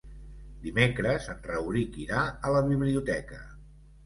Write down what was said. Dimecres en Rauric irà a la biblioteca.